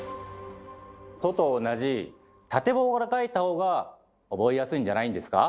「ト」と同じ縦棒から書いた方が覚えやすいんじゃないんですか？